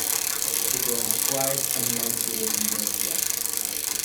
It was quite unlike European Russia.